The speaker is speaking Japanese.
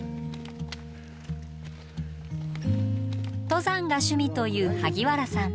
登山が趣味という萩原さん。